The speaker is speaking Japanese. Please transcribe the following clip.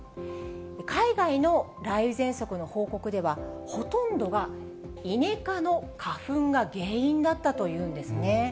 海外の雷雨ぜんそくの報告では、ほとんどがイネ科の花粉が原因だったというんですね。